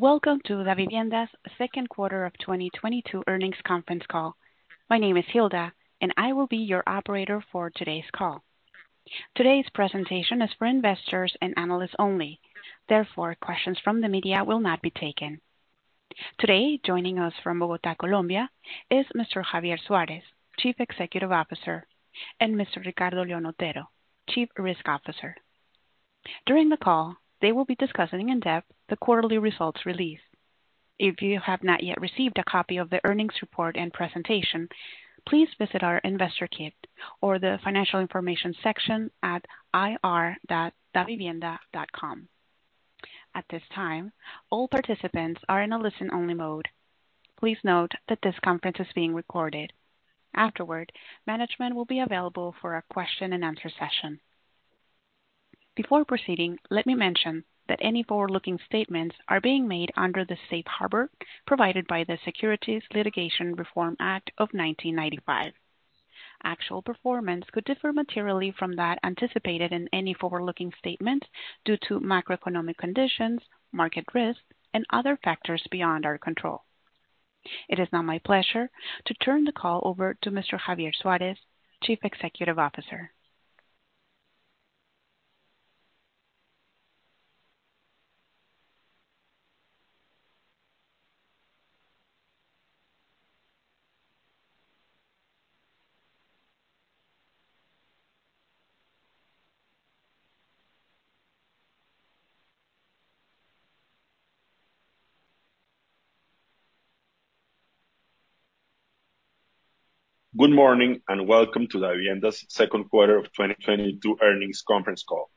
Welcome to Davivienda's second quarter of 2022 earnings conference call. My name is Hilda, and I will be your operator for today's call. Today's presentation is for investors and analysts only. Therefore, questions from the media will not be taken. Today, joining us from Bogotá, Colombia is Mr. Javier Suárez, Chief Executive Officer, and Mr. Ricardo León Otero, Chief Risk Officer. During the call, they will be discussing in depth the quarterly results release. If you have not yet received a copy of the earnings report and presentation, please visit our investor kit or the financial information section at ir.davivienda.com. At this time, all participants are in a listen-only mode. Please note that this conference is being recorded. Afterward, management will be available for a question and answer session. Before proceeding, let me mention that any forward-looking statements are being made under the safe harbor provided by the Private Securities Litigation Reform Act of 1995. Actual performance could differ materially from that anticipated in any forward-looking statement due to macroeconomic conditions, market risks, and other factors beyond our control. It is now my pleasure to turn the call over to Mr. Javier Suárez, Chief Executive Officer. Good morning and welcome to Davivienda's second quarter of 2022 earnings conference call.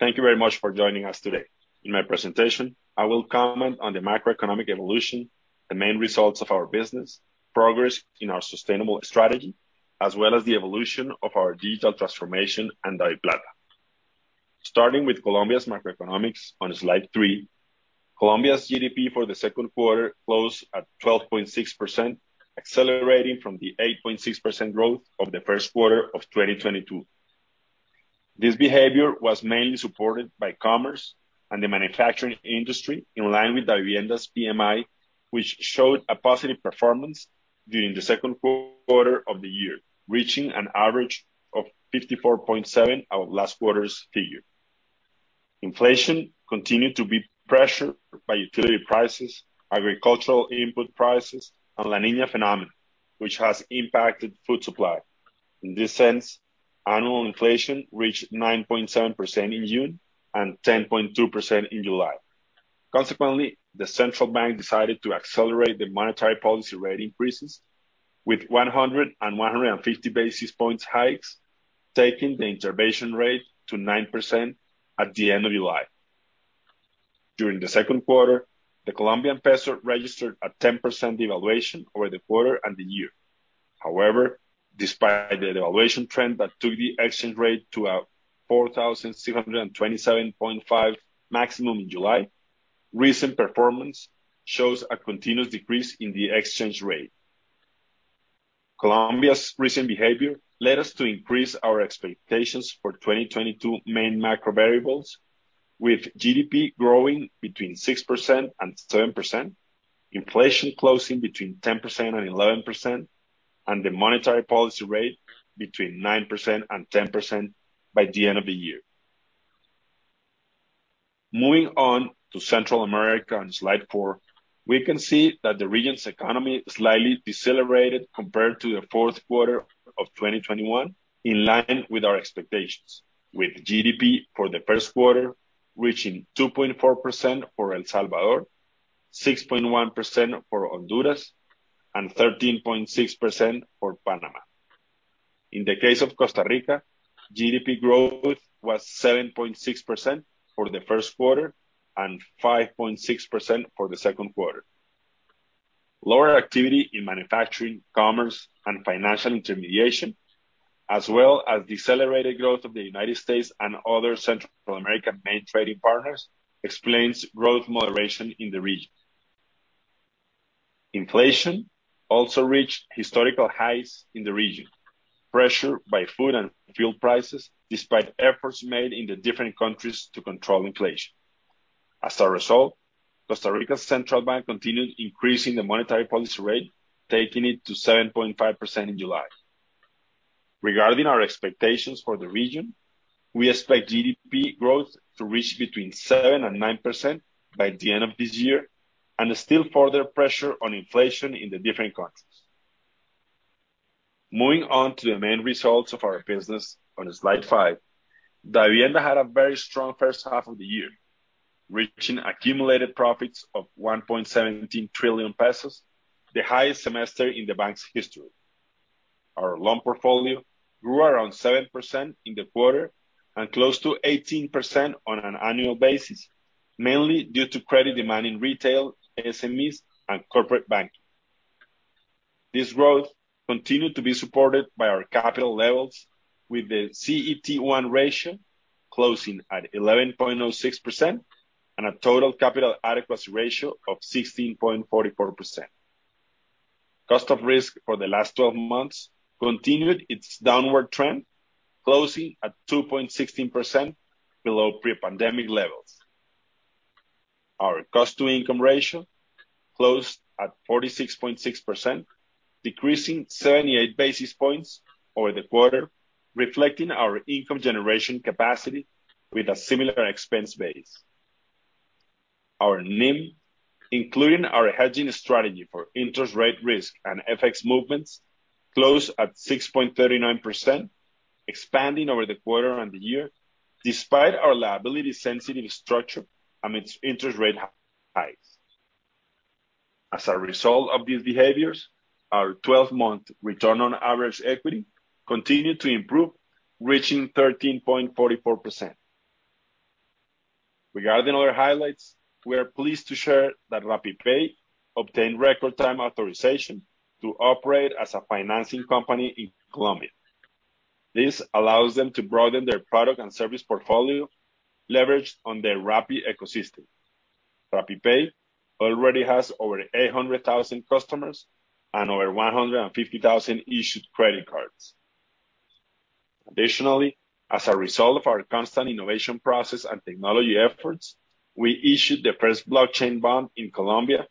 Thank you very much for joining us today. In my presentation, I will comment on the macroeconomic evolution, the main results of our business, progress in our sustainable strategy, as well as the evolution of our digital transformation and DaviPlata. Starting with Colombia's macroeconomics on slide 3, Colombia's GDP for the second quarter closed at 12.6%, accelerating from the 8.6% growth of the first quarter of 2022. This behavior was mainly supported by commerce and the manufacturing industry in line with Davivienda's PMI, which showed a positive performance during the second quarter of the year, reaching an average of 54.7 out of last quarter's figure. Inflation continued to be pressured by utility prices, agricultural input prices, and La Niña phenomenon, which has impacted food supply. In this sense, annual inflation reached 9.7% in June and 10.2% in July. Consequently, the central bank decided to accelerate the monetary policy rate increases with 100 and 150 basis points hikes, taking the intervention rate to 9% at the end of July. During the second quarter, the Colombian peso registered a 10% devaluation over the quarter and the year. However, despite the devaluation trend that took the exchange rate to a 4,627.5 maximum in July, recent performance shows a continuous decrease in the exchange rate. Colombia's recent behavior led us to increase our expectations for 2022 main macro variables, with GDP growing between 6% and 7%, inflation closing between 10% and 11%, and the monetary policy rate between 9% and 10% by the end of the year. Moving on to Central America on slide 4, we can see that the region's economy slightly decelerated compared to the fourth quarter of 2021, in line with our expectations, with GDP for the first quarter reaching 2.4% for El Salvador, 6.1% for Honduras, and 13.6% for Panama. In the case of Costa Rica, GDP growth was 7.6% for the first quarter and 5.6% for the second quarter. Lower activity in manufacturing, commerce, and financial intermediation, as well as decelerated growth of the United States and other Central American main trading partners explains growth moderation in the region. Inflation also reached historical highs in the region, pressured by food and fuel prices, despite efforts made in the different countries to control inflation. As a result, Costa Rica's central bank continued increasing the monetary policy rate, taking it to 7.5% in July. Regarding our expectations for the region, we expect GDP growth to reach between 7% and 9% by the end of this year, and still further pressure on inflation in the different countries. Moving on to the main results of our business on slide 5, Davivienda had a very strong first half of the year, reaching accumulated profits of COP 1.17 trillion, the highest semester in the bank's history. Our loan portfolio grew around 7% in the quarter and close to 18% on an annual basis, mainly due to credit demand in retail, SMEs, and corporate banking. This growth continued to be supported by our capital levels with the CET1 ratio closing at 11.06% and a total capital adequacy ratio of 16.44%. Cost of risk for the last 12 months continued its downward trend, closing at 2.16% below pre-pandemic levels. Our cost-to-income ratio closed at 46.6%, decreasing 78 basis points over the quarter, reflecting our income generation capacity with a similar expense base. Our NIM, including our hedging strategy for interest rate risk and FX movements, closed at 6.39%, expanding over the quarter and the year, despite our liability sensitive structure amidst interest rate highs. As a result of these behaviors, our 12-month return on average equity continued to improve, reaching 13.44%. Regarding other highlights, we are pleased to share that RappiPay obtained record time authorization to operate as a financing company in Colombia. This allows them to broaden their product and service portfolio leveraged on their Rappi ecosystem. RappiPay already has over 800,000 customers and over 150,000 issued credit cards. Additionally, as a result of our constant innovation process and technology efforts, we issued the first blockchain bond in Colombia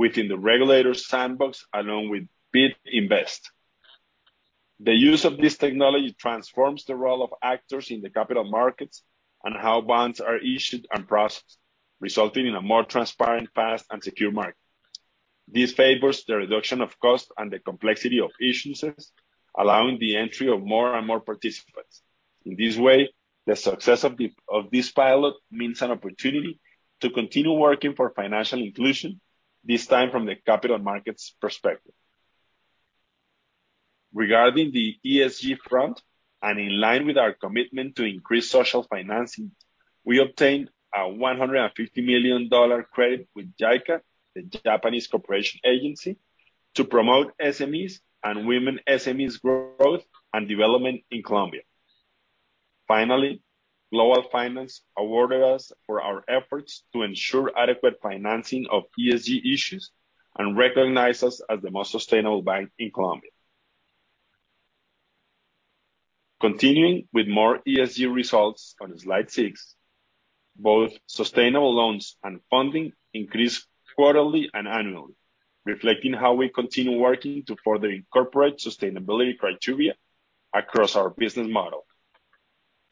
within the regulatory sandbox along with BID Invest. The use of this technology transforms the role of actors in the capital markets and how bonds are issued and processed, resulting in a more transparent, fast, and secure market. This favors the reduction of cost and the complexity of issuances, allowing the entry of more and more participants. In this way, the success of this pilot means an opportunity to continue working for financial inclusion, this time from the capital markets perspective. Regarding the ESG front and in line with our commitment to increase social financing, we obtained a $150 million credit with JICA, the Japan International Cooperation Agency, to promote SMEs and women SMEs growth and development in Colombia. Finally, Global Finance awarded us for our efforts to ensure adequate financing of ESG issues and recognized us as the most sustainable bank in Colombia. Continuing with more ESG results on slide 6, both sustainable loans and funding increased quarterly and annually, reflecting how we continue working to further incorporate sustainability criteria across our business model.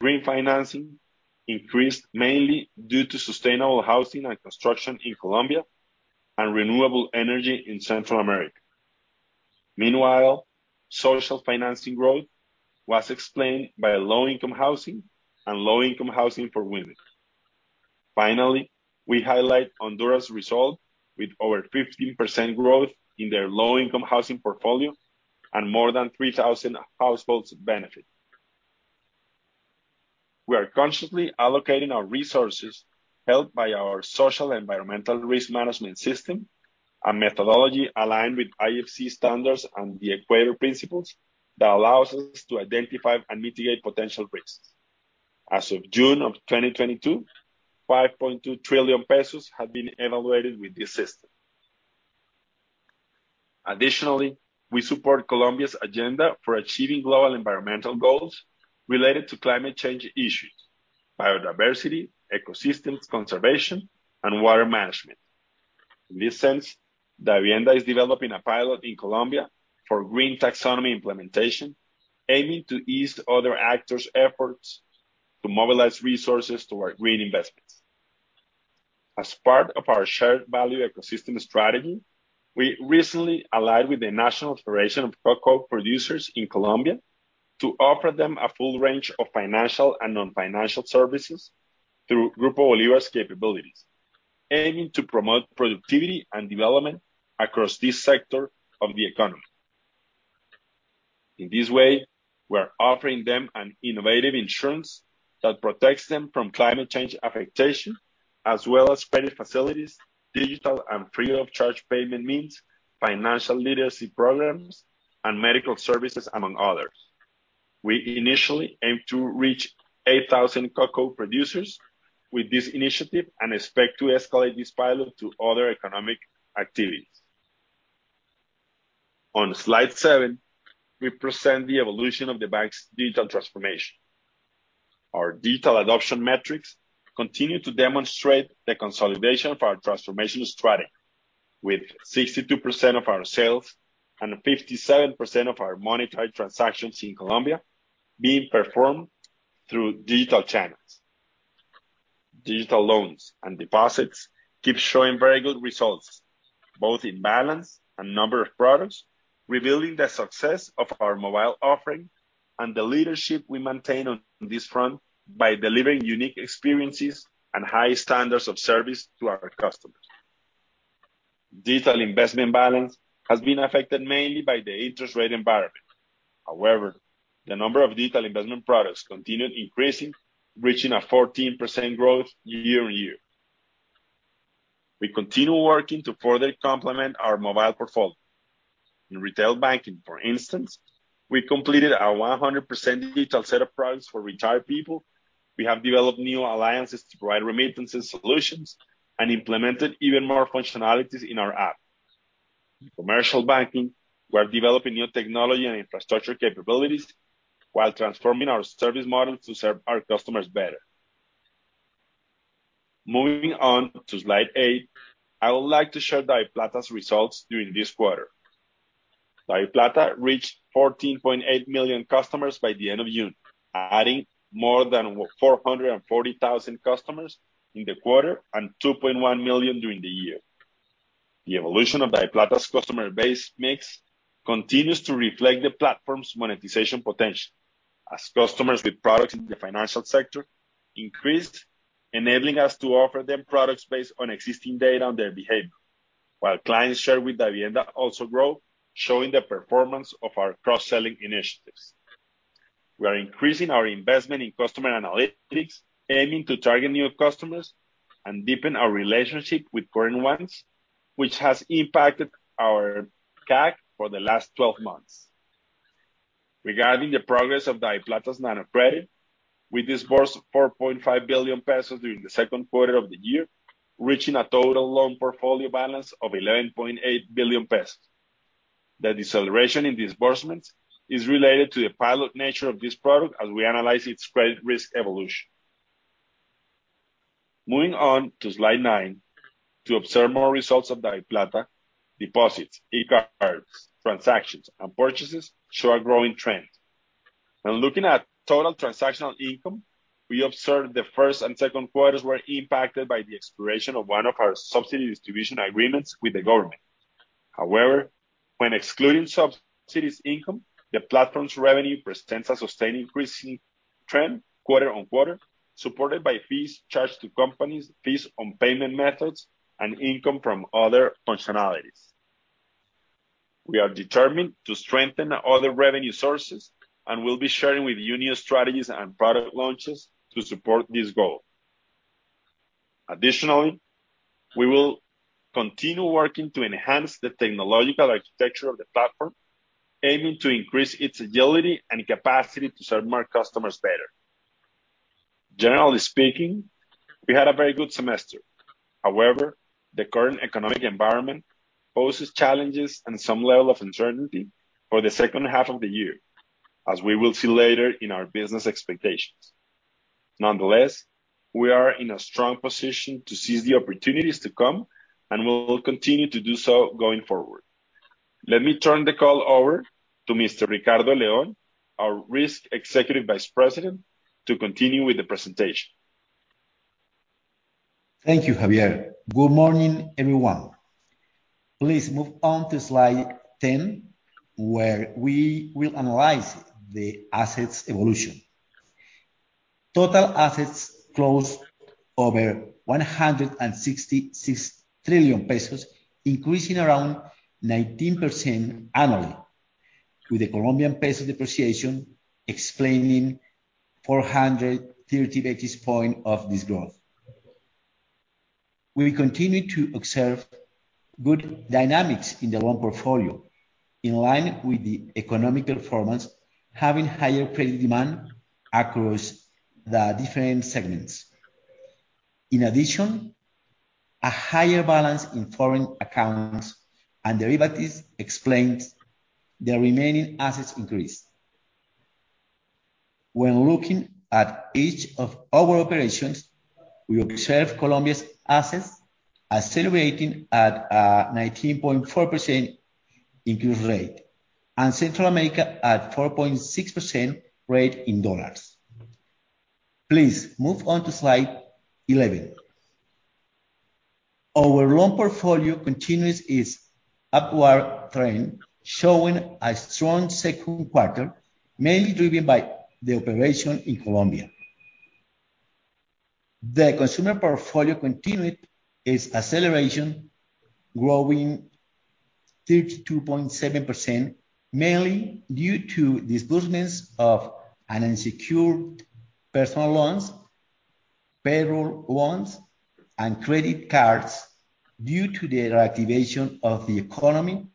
Green financing increased mainly due to sustainable housing and construction in Colombia and renewable energy in Central America. Meanwhile, social financing growth was explained by low-income housing and low-income housing for women. Finally, we highlight Honduras' result with over 15% growth in their low-income housing portfolio and more than 3,000 households benefit. We are consciously allocating our resources helped by our social environmental risk management system, a methodology aligned with IFC standards and the Equator Principles that allows us to identify and mitigate potential risks. As of June of 2022, COP 5.2 trillion have been evaluated with this system. Additionally, we support Colombia's agenda for achieving global environmental goals related to climate change issues, biodiversity, ecosystems conservation, and water management. In this sense, Davivienda is developing a pilot in Colombia for green taxonomy implementation, aiming to ease other actors' efforts to mobilize resources toward green investments. As part of our shared value ecosystem strategy, we recently allied with the National Federation of Cocoa Producers in Colombia to offer them a full range of financial and non-financial services through Grupo Bolívar's capabilities, aiming to promote productivity and development across this sector of the economy. In this way, we are offering them an innovative insurance that protects them from climate change affectation, as well as credit facilities, digital and free-of-charge payment means, financial literacy programs, and medical services, among others. We initially aim to reach 8,000 cocoa producers with this initiative and expect to escalate this pilot to other economic activities. On slide 7, we present the evolution of the bank's digital transformation. Our digital adoption metrics continue to demonstrate the consolidation of our transformation strategy, with 62% of our sales and 57% of our monetized transactions in Colombia being performed through digital channels. Digital loans and deposits keep showing very good results, both in balance and number of products, revealing the success of our mobile offering and the leadership we maintain on this front by delivering unique experiences and high standards of service to our customers. Digital investment balance has been affected mainly by the interest rate environment. However, the number of digital investment products continued increasing, reaching a 14% growth year-on-year. We continue working to further complement our mobile portfolio. In retail banking, for instance, we completed our 100% digital set of products for retired people. We have developed new alliances to provide remittances solutions and implemented even more functionalities in our app. In commercial banking, we are developing new technology and infrastructure capabilities while transforming our service model to serve our customers better. Moving on to slide 8, I would like to share DaviPlata's results during this quarter. DaviPlata reached 14.8 million customers by the end of June, adding more than 440,000 customers in the quarter and 2.1 million during the year. The evolution of DaviPlata's customer base mix continues to reflect the platform's monetization potential as customers with products in the financial sector increased, enabling us to offer them products based on existing data on their behavior. While clients shared with Davivienda also grow, showing the performance of our cross-selling initiatives. We are increasing our investment in customer analytics, aiming to target new customers and deepen our relationship with current ones, which has impacted our CAC for the last 12 months. Regarding the progress of DaviPlata's Nanocrédito, we disbursed COP 4.5 billion during the second quarter of the year, reaching a total loan portfolio balance of COP 11.8 billion. The deceleration in disbursements is related to the pilot nature of this product as we analyze its credit risk evolution. Moving on to slide 9, to observe more results of DaviPlata, deposits, eCards, transactions, and purchases show a growing trend. When looking at total transactional income, we observed the first and second quarters were impacted by the expiration of one of our subsidy distribution agreements with the government. However, when excluding subsidies income, the platform's revenue presents a sustained increasing trend quarter-over-quarter, supported by fees charged to companies, fees on payment methods, and income from other functionalities. We are determined to strengthen other revenue sources, and we'll be sharing with you new strategies and product launches to support this goal. Additionally, we will continue working to enhance the technological architecture of the platform, aiming to increase its agility and capacity to serve more customers better. Generally speaking, we had a very good semester. However, the current economic environment poses challenges and some level of uncertainty for the second half of the year, as we will see later in our business expectations. Nonetheless, we are in a strong position to seize the opportunities to come, and we will continue to do so going forward. Let me turn the call over to Mr. Ricardo León, our Risk Executive Vice President, to continue with the presentation. Thank you, Javier. Good morning, everyone. Please move on to slide 10, where we will analyze the assets evolution. Total assets closed over COP 166 trillion, increasing around 19% annually, with the Colombian peso depreciation explaining 430 basis points of this growth. We continue to observe good dynamics in the loan portfolio, in line with the economic performance, having higher credit demand across the different segments. In addition, a higher balance in foreign accounts and derivatives explains the remaining assets increase. When looking at each of our operations, we observe Colombia's assets accelerating at 19.4% increase rate and Central America at 4.6% rate in dollars. Please move on to slide 11. Our loan portfolio continues its upward trend, showing a strong second quarter, mainly driven by the operation in Colombia. The consumer portfolio continued its acceleration, growing 32.7%, mainly due to disbursements of unsecured personal loans, payroll loans, and credit cards due to the reactivation of the economy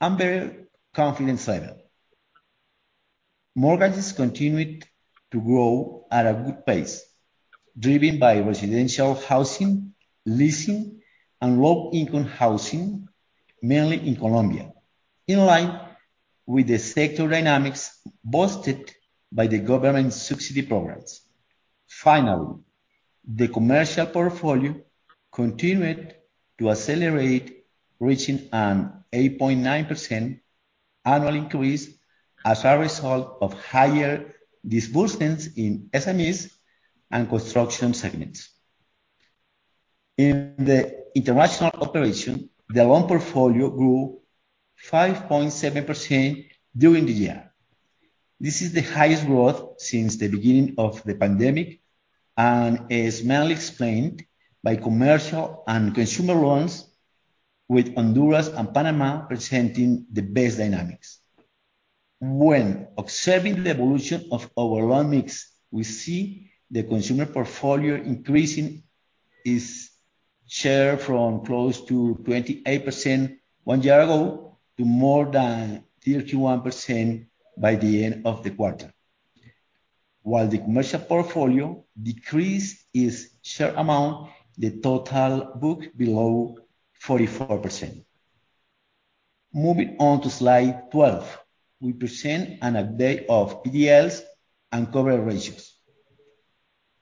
and very confidence level. Mortgages continued to grow at a good pace, driven by residential housing, leasing, and low-income housing, mainly in Colombia, in line with the sector dynamics boosted by the government subsidy programs. Finally, the commercial portfolio continued to accelerate, reaching an 8.9% annual increase as a result of higher disbursements in SMEs and construction segments. In the international operation, the loan portfolio grew 5.7% during the year. This is the highest growth since the beginning of the pandemic and is mainly explained by commercial and consumer loans, with Honduras and Panama presenting the best dynamics. When observing the evolution of our loan mix, we see the consumer portfolio increasing its share from close to 28% one year ago to more than 31% by the end of the quarter. While the commercial portfolio decreased its share amount, the total book below 44%. Moving on to slide 12, we present an update of PDLs and coverage ratios.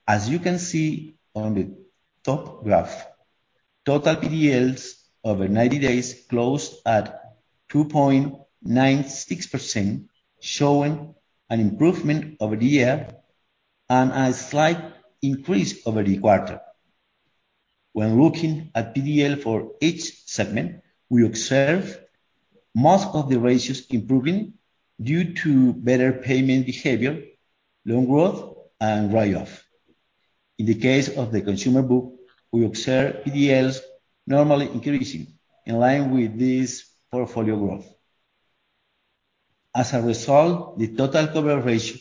As you can see on the top graph, total PDLs over 90 days closed at 2.96%, showing an improvement over the year and a slight increase over the quarter. When looking at PDL for each segment, we observe most of the ratios improving due to better payment behavior, loan growth, and write-off. In the case of the consumer book, we observe PDLs normally increasing in line with this portfolio growth. As a result, the total coverage ratio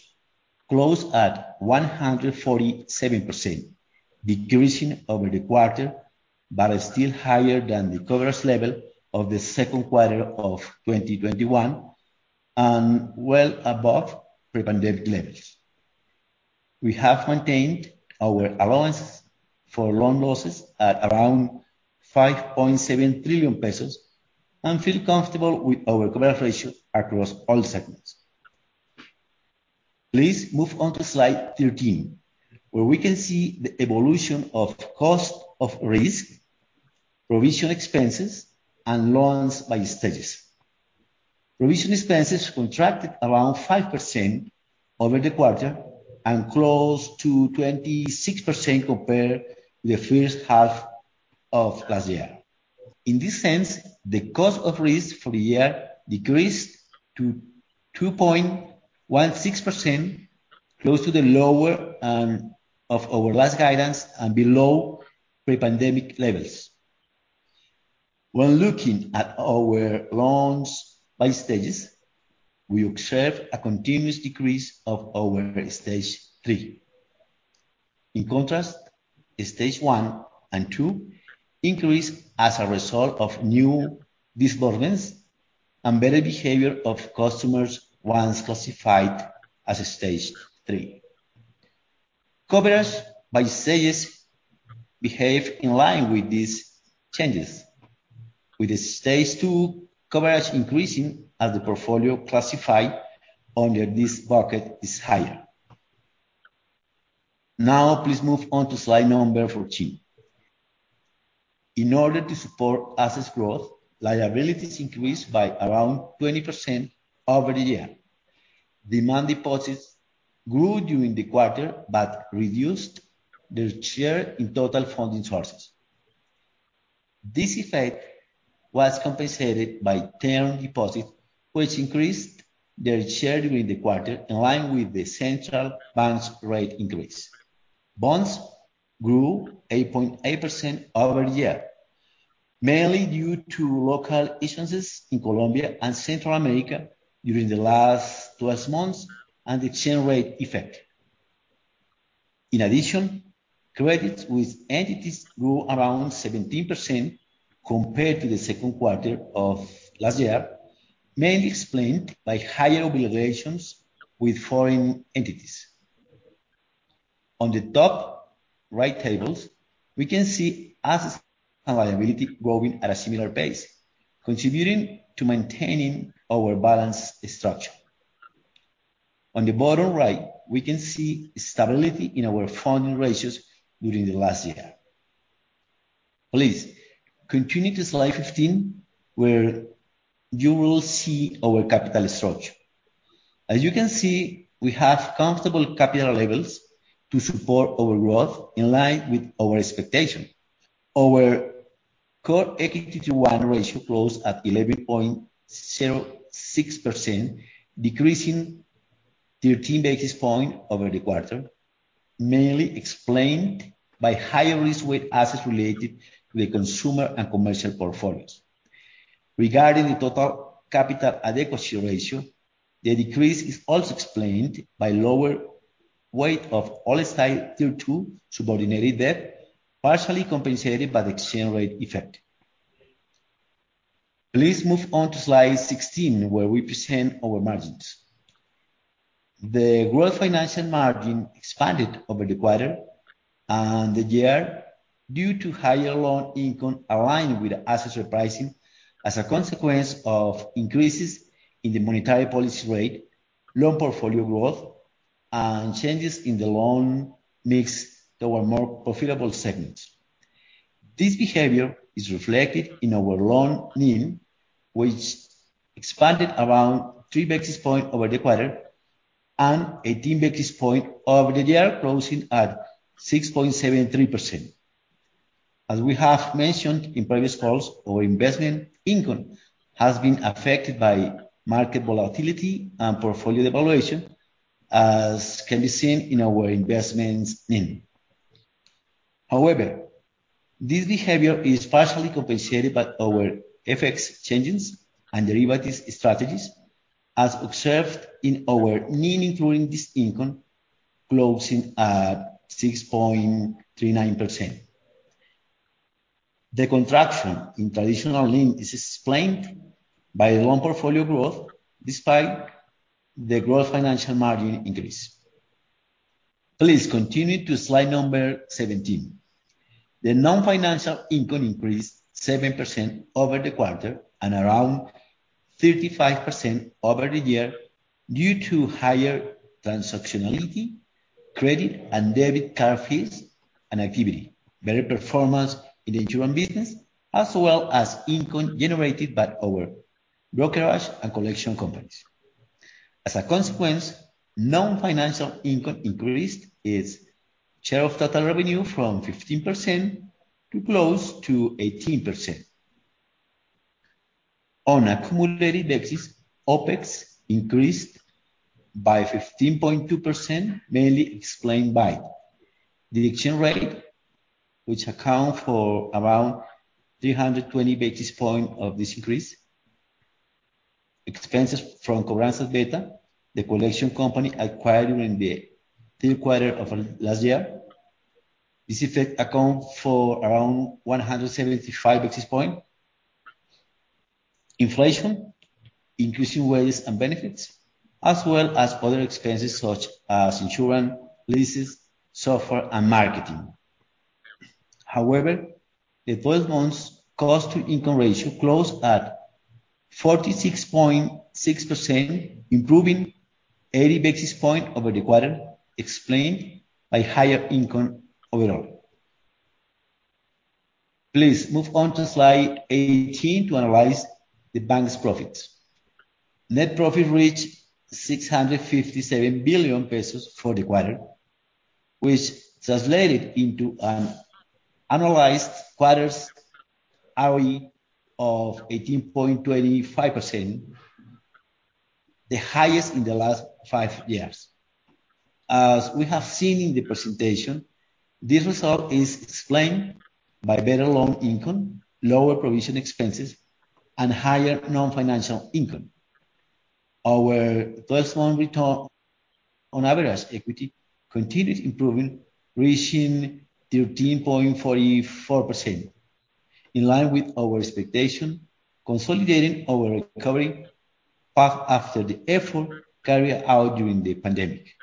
closed at 147%, decreasing over the quarter, but is still higher than the coverage level of the second quarter of 2021 and well above pre-pandemic levels. We have maintained our allowance for loan losses at around COP 5.7 trillion and feel comfortable with our coverage ratio across all segments. Please move on to slide 13, where we can see the evolution of cost of risk, provision expenses, and loans by stages. Provision expenses contracted around 5% over the quarter and close to 26% compared to the first half of last year. In this sense, the cost of risk for the year decreased to 2.16%, close to the lower end of our last guidance and below pre-pandemic levels. When looking at our loans by stages, we observe a continuous decrease of our Stage 3. In contrast, Stage 1 and 2 increase as a result of new disbursements and better behavior of customers once classified as Stage 3. Coverage by stages behave in line with these changes, with the Stage 2 coverage increasing as the portfolio classified under this bucket is higher. Now, please move on to slide number 14. In order to support assets growth, liabilities increased by around 20% over the year. Demand deposits grew during the quarter, but reduced their share in total funding sources. This effect was compensated by term deposits, which increased their share during the quarter, in line with the central bank's rate increase. Bonds grew 8.8% over the year, mainly due to local issuances in Colombia and Central America during the last 12 months, and the exchange rate effect. In addition, credits with entities grew around 17% compared to the second quarter of last year, mainly explained by higher obligations with foreign entities. On the top right tables, we can see assets and liability growing at a similar pace, contributing to maintaining our balanced structure. On the bottom right, we can see stability in our funding ratios during the last year. Please continue to slide 15, where you will see our capital structure. As you can see, we have comfortable capital levels to support our growth in line with our expectation. Our core equity to loan ratio closed at 11.06%, decreasing 13 basis points over the quarter, mainly explained by higher risk weight assets related to the consumer and commercial portfolios. Regarding the total capital adequacy ratio, the decrease is also explained by lower weight of Basel III Tier II subordinated debt, partially compensated by the exchange rate effect. Please move on to slide 16, where we present our margins. The gross financial margin expanded over the quarter and the year due to higher loan income aligned with the assets repricing as a consequence of increases in the monetary policy rate, loan portfolio growth, and changes in the loan mix toward more profitable segments. This behavior is reflected in our loan NIM, which expanded around 3 basis points over the quarter and 18 basis points over the year, closing at 6.73%. As we have mentioned in previous calls, our investment income has been affected by market volatility and portfolio devaluation, as can be seen in our investments NIM. However, this behavior is partially compensated by our FX changes and derivatives strategies, as observed in our NIM, including this income, closing at 6.39%. The contraction in traditional loan is explained by loan portfolio growth despite the gross financial margin increase. Please continue to slide number 17. The non-financial income increased 7% over the quarter and around 35% over the year due to higher transactionality, credit and debit card fees and activity, better performance in the insurance business, as well as income generated by our brokerage and collection companies. As a consequence, non-financial income increased its share of total revenue from 15% to close to 18%. On accumulated basis, OpEx increased by 15.2%, mainly explained by the exchange rate, which account for around 320 basis point of this increase. Expenses from Cobranzas Beta, the collection company acquired during the third quarter of last year. This effect account for around 175 basis point. Inflation, increasing wages and benefits, as well as other expenses such as insurance, leases, software, and marketing. However, the first month's cost-to-income ratio closed at 46.6%, improving 80 basis point over the quarter, explained by higher income overall. Please move on to slide 18 to analyze the bank's profits. Net profit reached COP 657 billion for the quarter, which translated into an annualized quarter's ROE of 18.25%, the highest in the last five years. As we have seen in the presentation, this result is explained by better loan income, lower provision expenses, and higher non-financial income. Our first month return on average equity continued improving, reaching 13.44%, in line with our expectation, consolidating our recovery path after the effort carried out during the pandemic.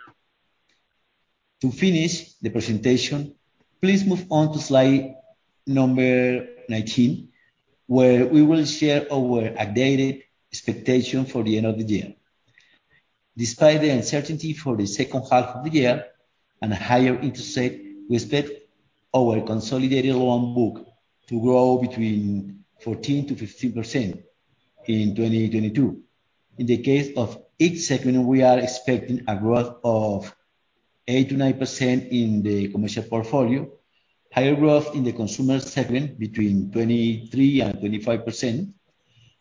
To finish the presentation, please move on to slide number 19, where we will share our updated expectation for the end of the year. Despite the uncertainty for the second half of the year and a higher interest rate, we expect our consolidated loan book to grow between 14%-15% in 2022. In the case of each segment, we are expecting a growth of 8%-9% in the commercial portfolio, higher growth in the consumer segment between 23% and 25%,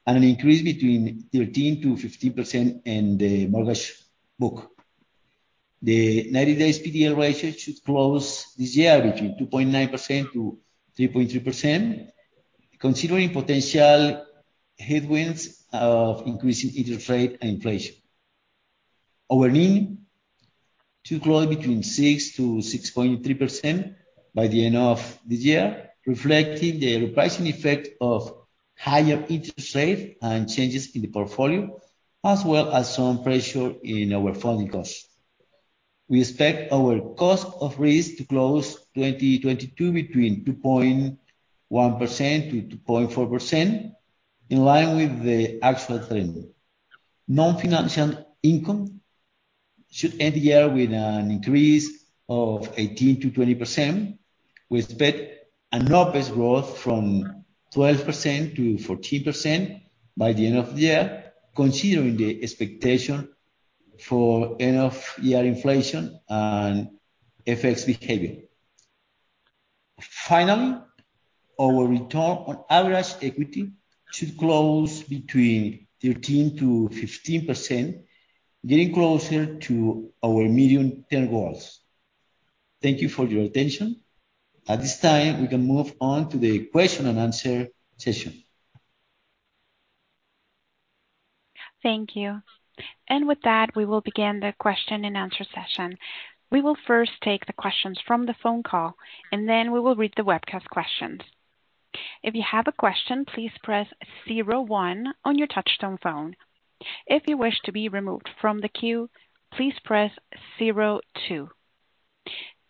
and an increase between 13%-15% in the mortgage book. The 90 days PDL ratio should close this year between 2.9%-3.3%, considering potential headwinds of increasing interest rate and inflation. Our loan to grow between 6%-6.3% by the end of this year, reflecting the repricing effect of higher interest rate and changes in the portfolio, as well as some pressure in our funding costs. We expect our cost of risk to close 2022 between 2.1%-2.4%, in line with the actual trend. Non-financial income should end the year with an increase of 18%-20%. We expect net interest growth from 12%-14% by the end of the year, considering the expectation for end of year inflation and FX behavior. Finally, our return on average equity should close between 13%-15%, getting closer to our medium-term goals. Thank you for your attention. At this time, we can move on to the question and answer session. Thank you. With that, we will begin the question and answer session. We will first take the questions from the phone call, and then we will read the webcast questions. If you have a question, please press zero one on your touch-tone phone. If you wish to be removed from the queue, please press zero two.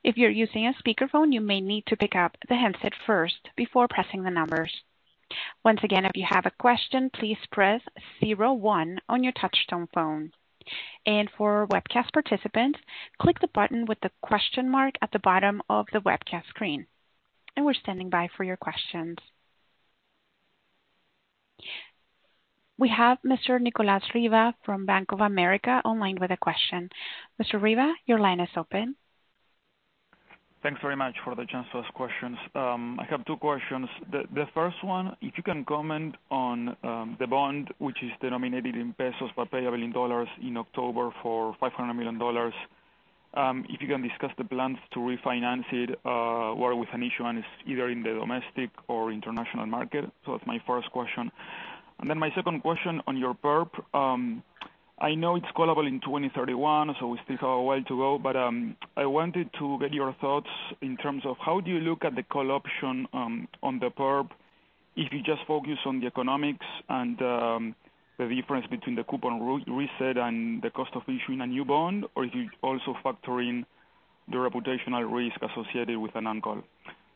If you're using a speakerphone, you may need to pick up the handset first before pressing the numbers. Once again, if you have a question, please press zero one on your touch-tone phone. For our webcast participants, click the button with the question mark at the bottom of the webcast screen. We're standing by for your questions. We have Mr. Nicolas Riva from Bank of America online with a question. Mr. Riva, your line is open. Thanks very much for the chance to ask questions. I have two questions. The first one, if you can comment on the bond which is denominated in pesos but payable in dollars in October for $500 million. If you can discuss the plans to refinance it, or with an issue, and it's either in the domestic or international market. That's my first question. My second question on your PERP. I know it's callable in 2031, so we still have a while to go, but I wanted to get your thoughts in terms of how do you look at the call option on the PERP if you just focus on the economics and the difference between the coupon re-reset and the cost of issuing a new bond, or do you also factor in the reputational risk associated with an on-call?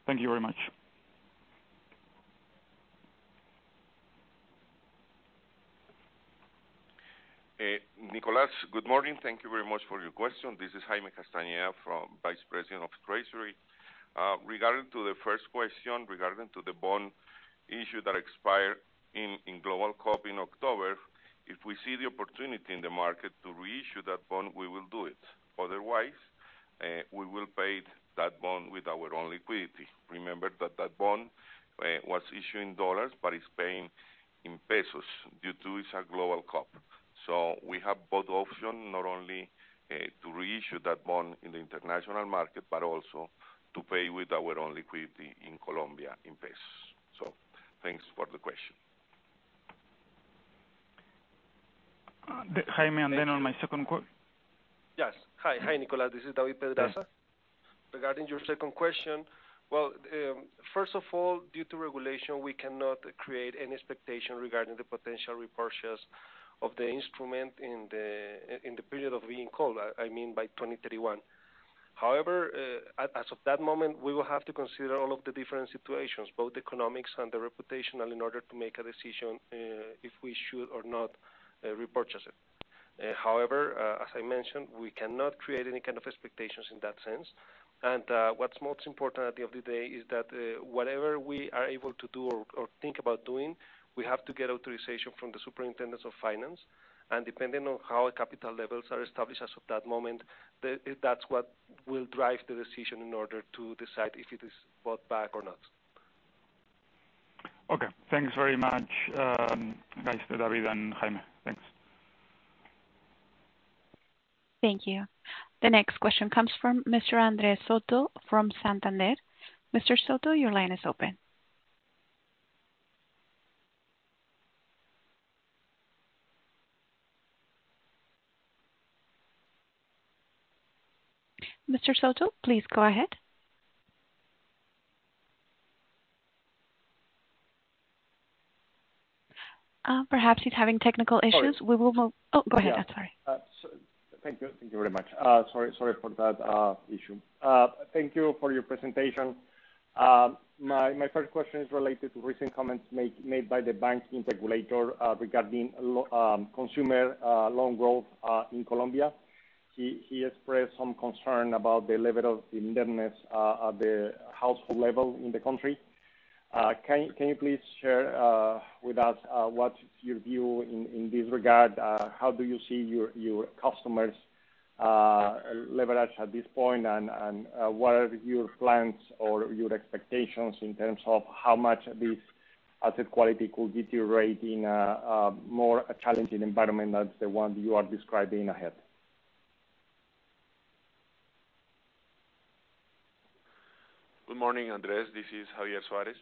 Thank you very much. Nicolas, good morning. Thank you very much for your question. This is Jaime Castañeda, Vice President of Treasury. Regarding to the first question, regarding to the bond issue that expired in Global COP in October, if we see the opportunity in the market to reissue that bond, we will do it. Otherwise, we will pay that bond with our own liquidity. Remember that that bond was issued in dollars but is paying in pesos due to it's a Global COP. We have both option, not only to reissue that bond in the international market, but also to pay with our own liquidity in Colombia in pesos. Thanks for the question. Jaime. And then on my second question. Yes. Hi, Nicolas, this is David Pedraza. Regarding your second question, first of all, due to regulation, we cannot create any expectation regarding the potential repurchase of the instrument in the period of being called, I mean by 2031. However, as of that moment, we will have to consider all of the different situations, both economic and the reputational, in order to make a decision if we should or not repurchase it. However, as I mentioned, we cannot create any kind of expectations in that sense. What's most important at the end of the day is that, whatever we are able to do or think about doing, we have to get authorization from the Superintendence of Finance. Depending on how capital levels are established as of that moment, that's what will drive the decision in order to decide if it is bought back or not. Okay. Thanks very much, guys, David and Jaime. Thanks. Thank you. The next question comes from Mr. Andres Soto from Santander. Mr. Soto, your line is open. Mr. Soto, please go ahead. Perhaps he's having technical issues. We will move- Sorry. Oh, go ahead. Sorry. Yeah. Thank you. Thank you very much. Sorry for that issue. Thank you for your presentation. My first question is related to recent comments made by the bank's regulator regarding consumer loan growth in Colombia. He expressed some concern about the level of indebtedness at the household level in the country. Can you please share with us what's your view in this regard? How do you see your customers' leverage at this point and what are your plans or your expectations in terms of how much this asset quality could deteriorate in a more challenging environment than the one you are describing ahead? Good morning, Andres Soto. This is Javier Suárez.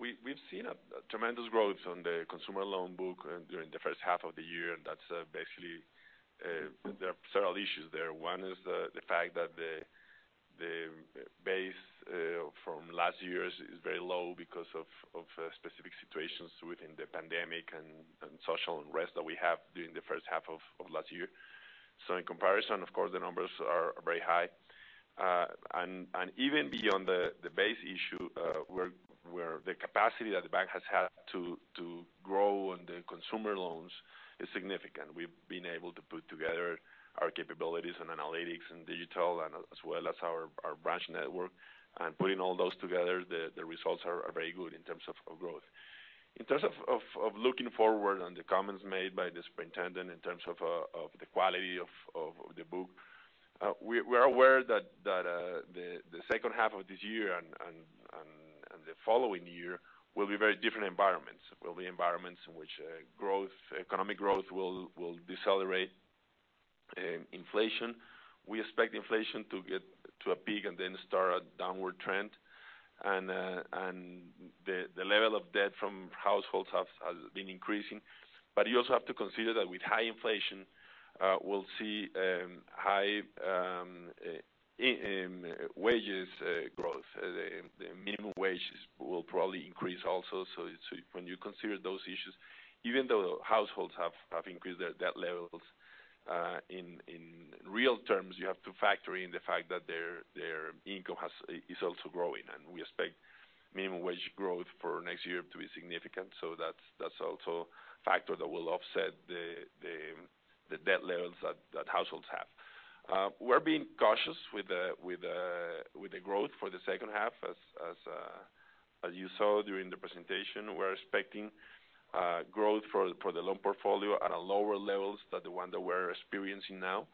We've seen a tremendous growth on the consumer loan book during the first half of the year. That's basically there are several issues there. One is the fact that the base from last years is very low because of specific situations within the pandemic and social unrest that we have during the first half of last year. In comparison, of course, the numbers are very high. Even beyond the base issue, the capacity that the bank has had to grow on the consumer loans is significant. We've been able to put together our capabilities in analytics and digital as well as our branch network, and putting all those together, the results are very good in terms of growth. In terms of looking forward on the comments made by the Superintendent in terms of the quality of the book, we are aware that the second half of this year and the following year will be very different environments in which economic growth will decelerate. Inflation. We expect inflation to get to a peak and then start a downward trend. The level of debt from households has been increasing. You also have to consider that with high inflation, we'll see high wages growth. The minimum wages will probably increase also. When you consider those issues, even though households have increased their debt levels, in real terms, you have to factor in the fact that their income is also growing. We expect minimum wage growth for next year to be significant. That's also a factor that will offset the debt levels that households have. We're being cautious with the growth for the second half as you saw during the presentation. We're expecting growth for the loan portfolio at a lower levels than the one that we're experiencing now.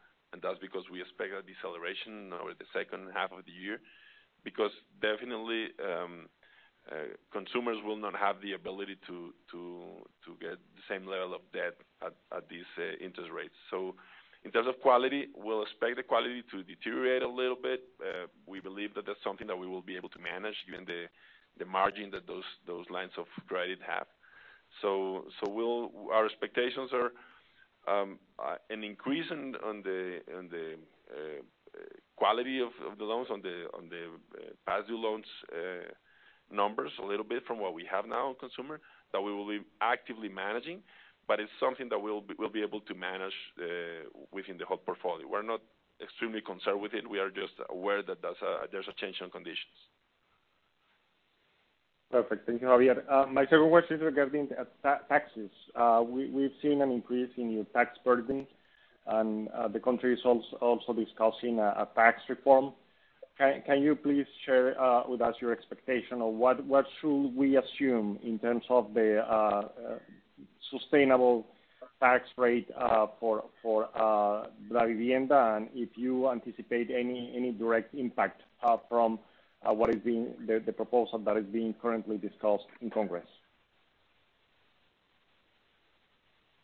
That's because we expect a deceleration over the second half of the year. Definitely, consumers will not have the ability to get the same level of debt at these interest rates. In terms of quality, we'll expect the quality to deteriorate a little bit. We believe that that's something that we will be able to manage given the margin that those lines of credit have. Our expectations are an increase on the quality of the loans on the past due loans numbers a little bit from what we have now in consumer, that we will be actively managing, but it's something that we'll be able to manage within the whole portfolio. We're not extremely concerned with it. We are just aware that there's a change in conditions. Perfect. Thank you, Javier. My second question is regarding taxes. We've seen an increase in your tax burden, and the country is also discussing a tax reform. Can you please share with us your expectation of what we should assume in terms of the sustainable tax rate for Davivienda? If you anticipate any direct impact from the proposal that is currently being discussed in Congress?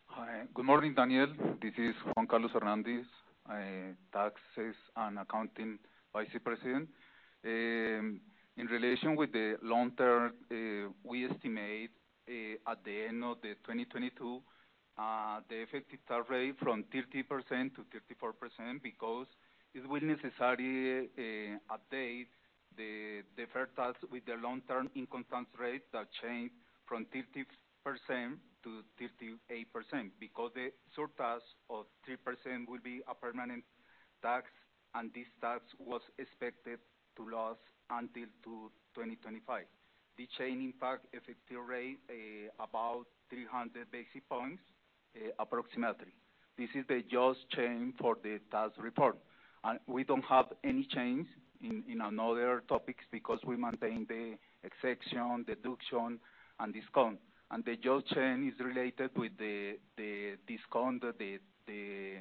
Hi. Good morning, Andres. This is Juan Carlos Hernández, Taxes and Accounting Vice President. In relation to the long term, we estimate at the end of 2022 the effective tax rate from 30%-34% because it will be necessary to update the deferred tax with the long term income tax rate that changes from 30% to 38% because the surtax of 3% will be a permanent tax, and this tax was expected to last until 2025. The change impacts the effective rate about 300 basis points, approximately. This is the only change for the tax reform. We don't have any change in another topics because we maintain the exemptions, deductions and discounts. The only change is related with the discount, the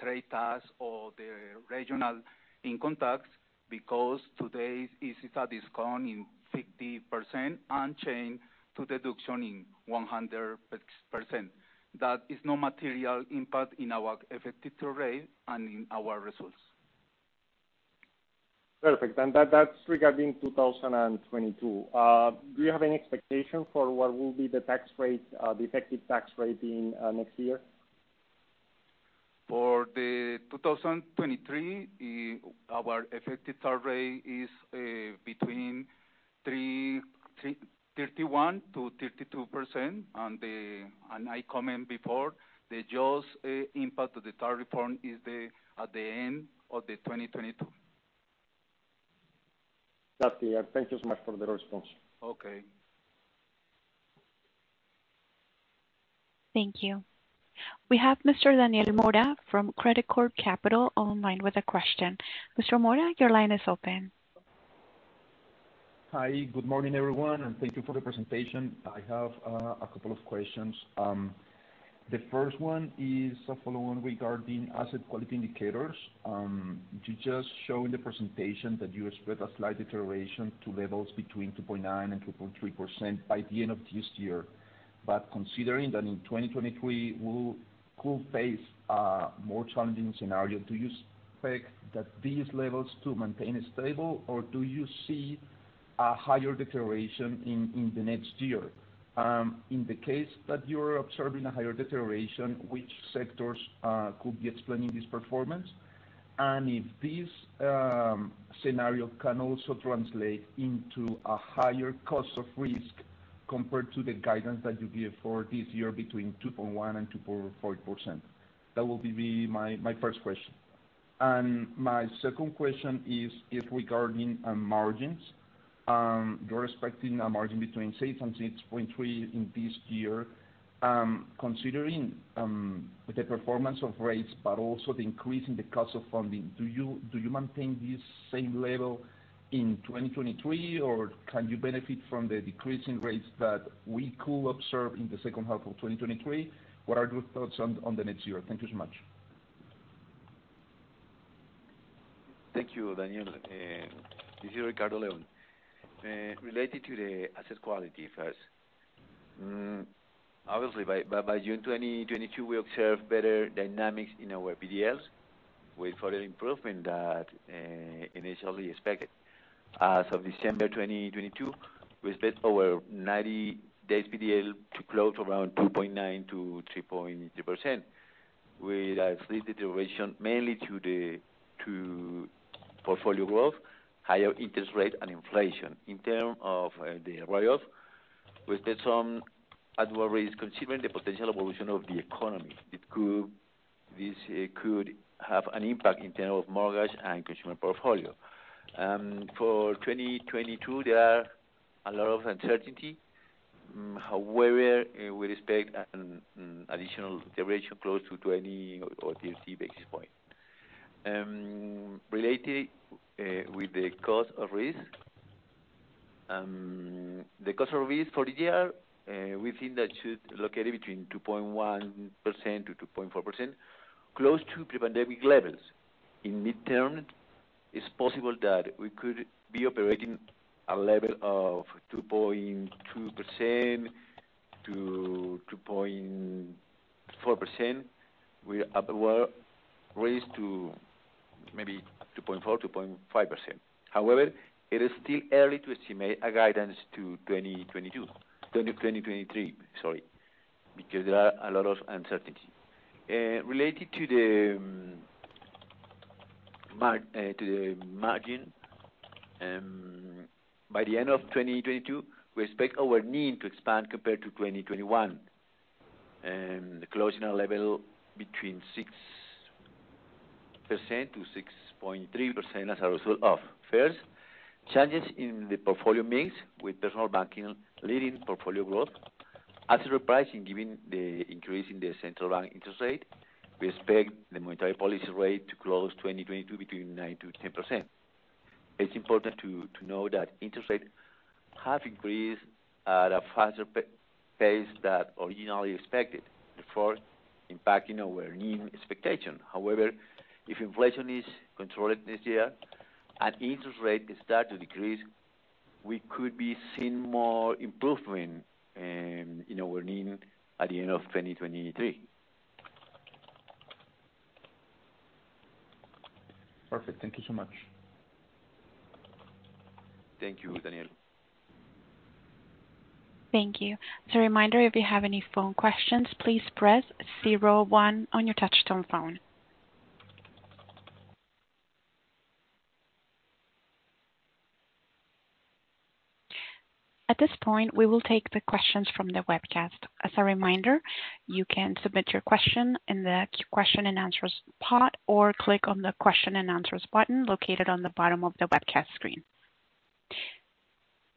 trade tax or the regional income tax because today it is a discount in 50% and change to deduction in 100%. That is no material impact in our effective tax rate and in our results. Perfect. That, that's regarding 2022. Do you have any expectation for what will be the tax rate, the effective tax rate in next year? For 2023, our effective tax rate is between 31%-32%. I comment before, the just impact to the tax reform is at the end of 2022. Copy. Thank you so much for the response. Okay. Thank you. We have Mr. Daniel Mora from Credicorp Capital online with a question. Mr. Mora, your line is open. Hi, good morning, everyone, and thank you for the presentation. I have a couple of questions. The first one is a follow on regarding asset quality indicators. You just showed the presentation that you expect a slight deterioration to levels between 2.9% and 2.3% by the end of this year. Considering that in 2023 we could face a more challenging scenario, do you expect that these levels to maintain stable, or do you see a higher deterioration in the next year? In the case that you're observing a higher deterioration, which sectors could be explaining this performance? If this scenario can also translate into a higher cost of risk compared to the guidance that you gave for this year between 2.1% and 2.4%. That will be my first question. My second question is regarding margins. You're expecting a margin between 6% and 6.3% in this year. Considering the performance of rates but also the increase in the cost of funding, do you maintain this same level in 2023, or can you benefit from the decrease in rates that we could observe in the second half of 2023? What are your thoughts on the next year? Thank you so much. Thank you, Daniel. This is Ricardo León. Related to the asset quality first. Obviously by June 2022, we observed better dynamics in our PDLs with further improvement that initially expected. As of December 2022, we expect over 90 days PDL to close around 2.9%-3.3%, with a slight deterioration mainly to the portfolio growth, higher interest rate and inflation. In terms of the write-off, we expect some adverse risk considering the potential evolution of the economy. This could have an impact in terms of mortgage and consumer portfolio. For 2022, there are a lot of uncertainty. However, we expect an additional deterioration close to 20 or 30 basis points. Related with the cost of risk. The cost of risk for this year, we think that should locate between 2.1%-2.4%, close to pre-pandemic levels. It's possible that we could be operating a level of 2.2%-2.4%. We're raised to maybe 2.4-2.5%. However, it is still early to estimate a guidance to 2022, 2023, sorry, because there are a lot of uncertainty. Related to the margin, by the end of 2022, we expect our NIM to expand compared to 2021, closing a level between 6%-6.3% as a result of, first, changes in the portfolio mix with personal banking leading portfolio growth. Actual pricing, given the increase in the central bank interest rate, we expect the monetary policy rate to close 2022 between 9%-10%. It's important to know that interest rates have increased at a faster pace than originally expected, therefore impacting our NIM expectation. However, if inflation is controlled this year and interest rates start to decrease, we could be seeing more improvement in our NIM at the end of 2023. Perfect. Thank you so much. Thank you, Daniel. Thank you. As a reminder, if you have any phone questions, please press zero one on your touch-tone phone. At this point, we will take the questions from the webcast. As a reminder, you can submit your question in the question and answers pod, or click on the question and answers button located on the bottom of the webcast screen.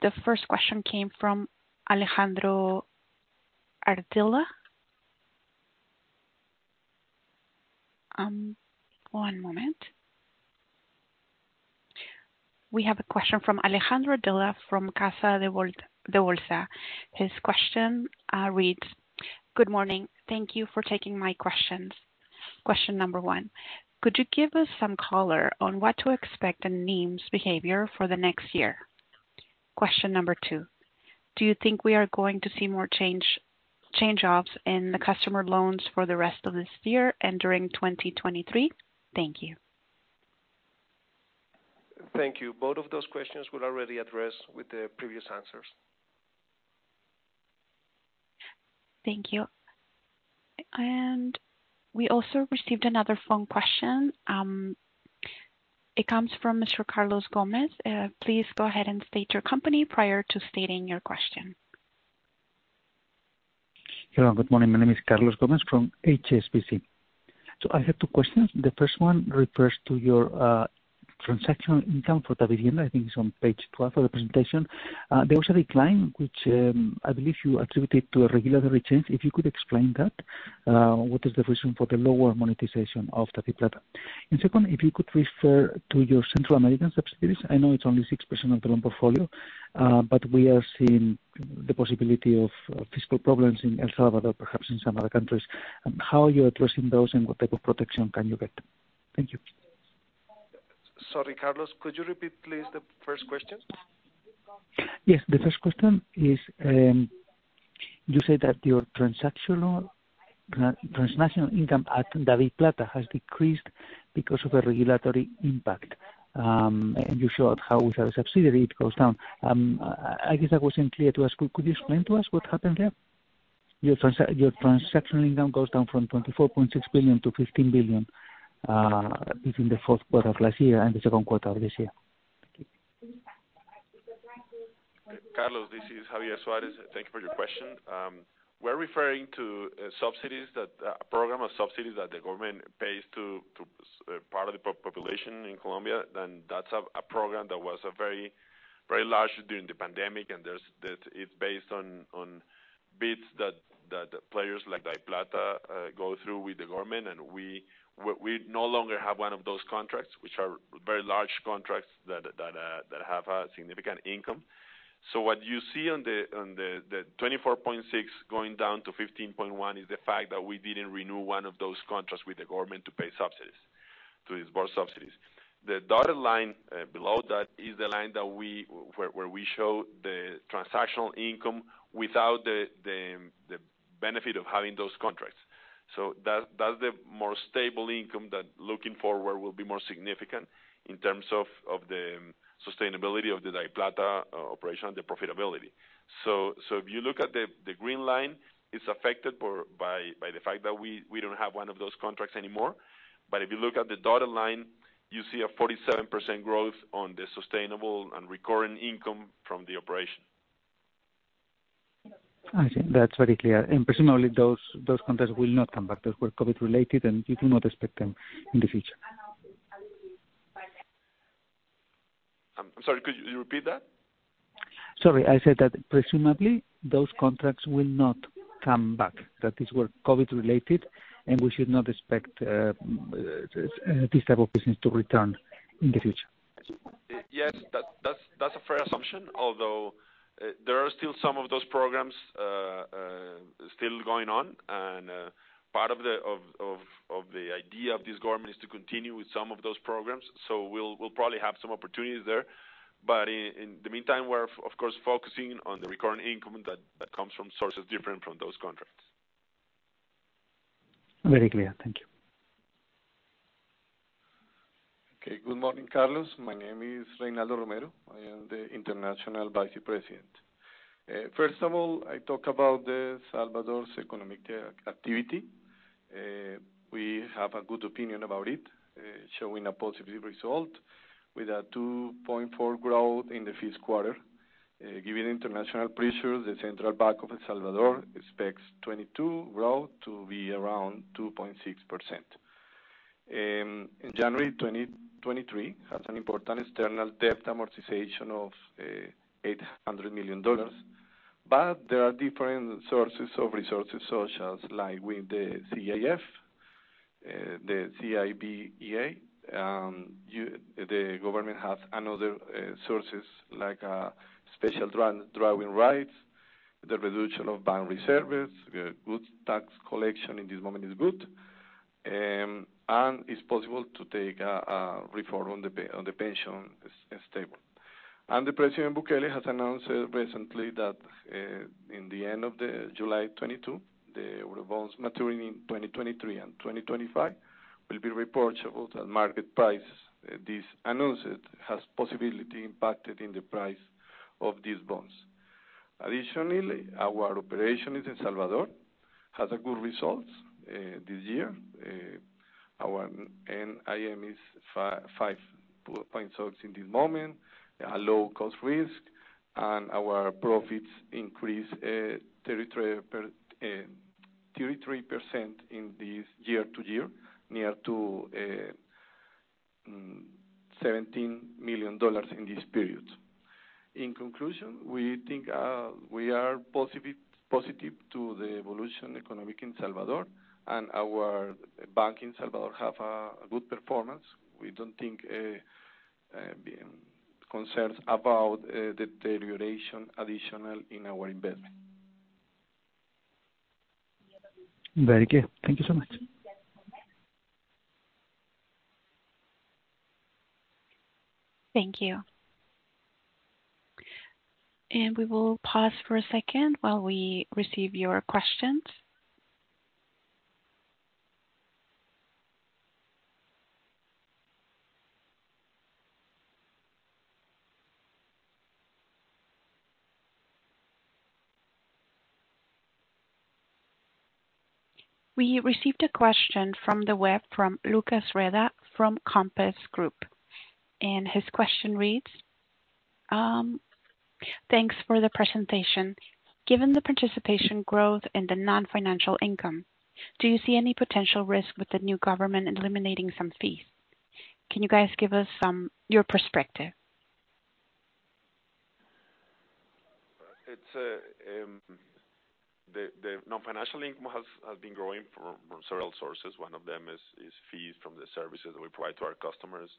The first question came from Alejandro Ardila. We have a question from Alejandro Ardila from Casa de Bolsa. His question reads: Good morning. Thank you for taking my questions. Question number one, could you give us some color on what to expect in NIM's behavior for the next year? Question number two, do you think we are going to see more change-offs in the customer loans for the rest of this year and during 2023? Thank you. Thank you. Both of those questions were already addressed with the previous answers. Thank you. We also received another phone question. It comes from Mr. Carlos Gomez. Please go ahead and state your company prior to stating your question.` Hello, good morning. My name is Carlos Gomez from HSBC. I have two questions. The first one refers to your transactional income for Davivienda. I think it's on page 12 of the presentation. There was a decline which I believe you attributed to a regulatory change. If you could explain that, what is the reason for the lower monetization of DaviPlata? Second, if you could refer to your Central American subsidiaries. I know it's only 6% of the loan portfolio, but we are seeing the possibility of fiscal problems in El Salvador, perhaps in some other countries, and how you're addressing those and what type of protection can you get? Thank you. Sorry, Carlos, could you repeat please the first question? Yes. The first question is, you said that your transactional income at DaviPlata has decreased because of a regulatory impact. You showed how with a subsidiary it goes down. I guess that wasn't clear to us. Could you explain to us what happened there? Your transactional income goes down from COP 24.6 billion to COP 15 billion between the fourth quarter of last year and the second quarter of this year. Thank you. Carlos, this is Javier Suárez. Thank you for your question. We're referring to subsidies, a program of subsidies that the government pays to part of the population in Colombia, and that's a program that was very large during the pandemic. That's based on bids that players like DaviPlata go through with the government. We no longer have one of those contracts, which are very large contracts that have a significant income. What you see, the 24.6% going down to 15.1% is the fact that we didn't renew one of those contracts with the government to pay subsidies, to disburse subsidies. The dotted line below that is the line where we show the transactional income without the benefit of having those contracts. That's the more stable income that looking forward will be more significant in terms of the sustainability of the DaviPlata operation and the profitability. If you look at the green line, it's affected by the fact that we don't have one of those contracts anymore. If you look at the dotted line, you see a 47% growth on the sustainable and recurring income from the operation. I see. That's very clear. Presumably those contracts will not come back. Those were COVID-related, and you do not expect them in the future. I'm sorry, could you repeat that? Sorry, I said that presumably those contracts will not come back, that these were COVID-related, and we should not expect this type of business to return in the future. Yes, that's a fair assumption, although there are still some of those programs still going on. Part of the idea of this government is to continue with some of those programs. We'll probably have some opportunities there. In the meantime, we're of course focusing on the recurring income that comes from sources different from those contracts. Very clear. Thank you. Good morning, Carlos. My name is Reinaldo Romero. I am the international vice president. First of all, I talk about El Salvador's economic activity. We have a good opinion about it, showing a positive result with a 2.4% growth in the first quarter. Given international pressure, the Central Reserve Bank of El Salvador expects 2022 growth to be around 2.6%. In January 2023 has an important external debt amortization of $800 million. There are different sources of resources, such as with the CAF, the CABEI, the government has other sources like special drawing rights, the reduction of bank reserves, good tax collection in this moment is good, and it's possible to take a reform on the pension system. President Bukele has announced recently that, in the end of July 2022, the Eurobonds maturing in 2023 and 2025 will be repurchased at market price. This announcement has possibly impacted in the price of these bonds. Additionally, our operation in El Salvador has good results this year. Our NIM is 5.6% in this moment, a low cost of risk, and our profits increase 33% year-to-year, nearly $17 million in this period. In conclusion, we think we are positive to the economic evolution in El Salvador and our bank in El Salvador have a good performance. We don't think concerns about the additional deterioration in our investment. Very good. Thank you so much. Thank you. We will pause for a second while we receive your questions. We received a question from the web from Lucas Reda, from Compass Group, and his question reads: Thanks for the presentation. Given the participation growth in the non-financial income, do you see any potential risk with the new government eliminating some fees? Can you guys give us your perspective? The non-financial income has been growing from several sources. One of them is fees from the services that we provide to our customers,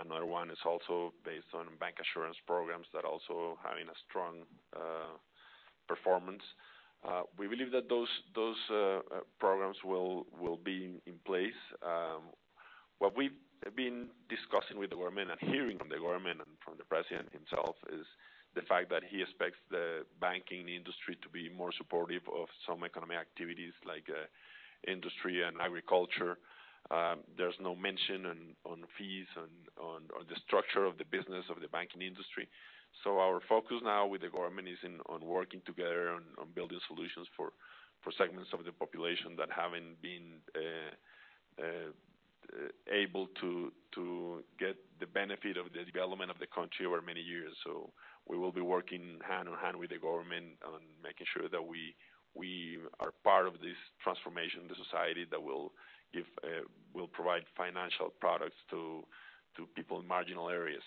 another one is also based on bank assurance programs that are also having a strong performance. We believe that those programs will be in place. What we've been discussing with the government and hearing from the government and from the President himself is the fact that he expects the banking industry to be more supportive of some economic activities like industry and agriculture. There's no mention on fees, on the structure of the business of the banking industry. Our focus now with the government is on working together on building solutions for segments of the population that haven't been able to get the benefit of the development of the country over many years. We will be working hand in hand with the government on making sure that we are part of this transformation, the society that will provide financial products to people in marginal areas.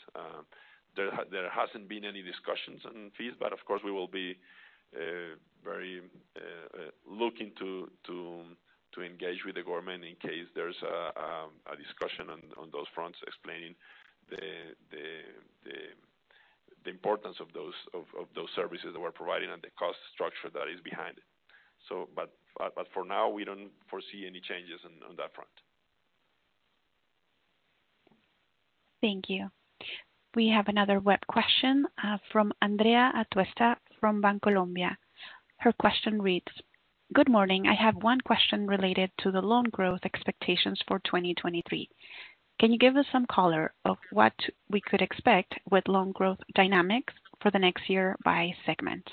There hasn't been any discussions on fees, but of course, we will be very looking to engage with the government in case there's a discussion on those fronts, explaining the importance of those services that we're providing and the cost structure that is behind it. For now, we don't foresee any changes on that front. Thank you. We have another web question from Andrea Atuesta from Bancolombia. Her question reads: Good morning. I have one question related to the loan growth expectations for 2023. Can you give us some color of what we could expect with loan growth dynamics for the next year by segment?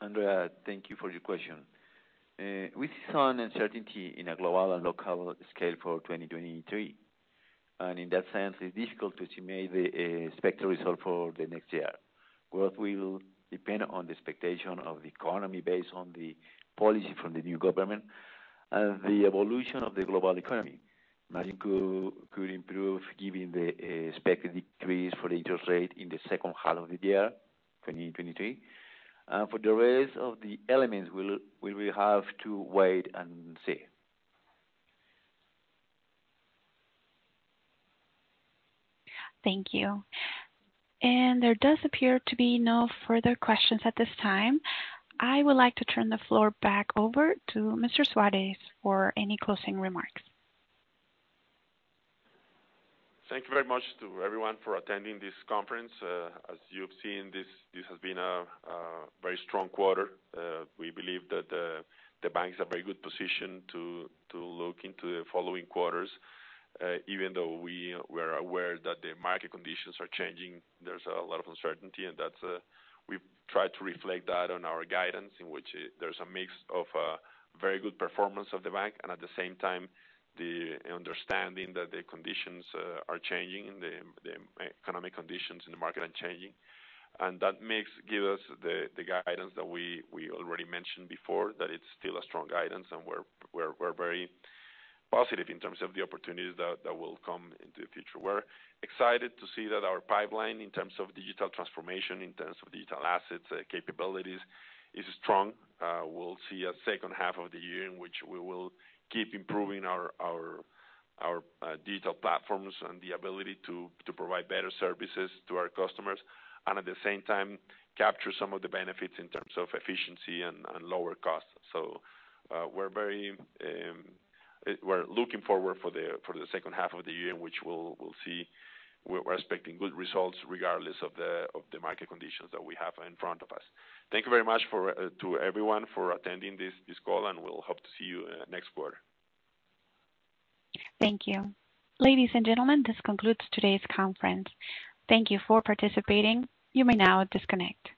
Andrea, thank you for your question. We see some uncertainty in a global and local scale for 2023, and in that sense, it's difficult to estimate the expected result for the next year. Growth will depend on the expectation of the economy based on the policy from the new government and the evolution of the global economy. Margin could improve given the expected decrease in interest rate in the second half of the year 2023. For the rest of the elements, we will have to wait and see. Thank you. There does appear to be no further questions at this time. I would like to turn the floor back over to Mr. Suárez for any closing remarks. Thank you very much to everyone for attending this conference. As you've seen, this has been a very strong quarter. We believe that the bank is in a very good position to look into the following quarters, even though we were aware that the market conditions are changing, there's a lot of uncertainty, and that we've tried to reflect that on our guidance, in which there's a mix of very good performance of the bank, and at the same time, the understanding that the conditions are changing, the economic conditions in the market are changing. That gives us the guidance that we already mentioned before, that it's still a strong guidance and we're very positive in terms of the opportunities that will come into the future. We're excited to see that our pipeline in terms of digital transformation, in terms of digital assets, capabilities is strong. We'll see a second half of the year in which we will keep improving our digital platforms and the ability to provide better services to our customers. At the same time, capture some of the benefits in terms of efficiency and lower costs. We're looking forward for the second half of the year, in which we'll see. We're expecting good results regardless of the market conditions that we have in front of us. Thank you very much to everyone for attending this call, and we'll hope to see you next quarter. Thank you. Ladies and gentlemen, this concludes today's conference. Thank you for participating. You may now disconnect.